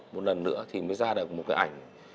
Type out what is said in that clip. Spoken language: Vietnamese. một lần nữa thì mới ra được một cái ảnh